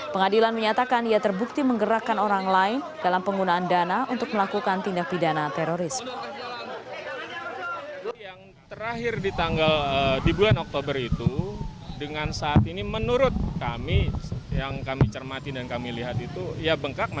pengadilan menyatakan ia terbukti menggerakkan orang lain dalam penggunaan dana untuk melakukan tindak pidana terorisme